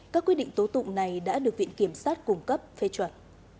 các quyết định tố tụng này đã được viện kiểm sát cung cấp phê chuẩn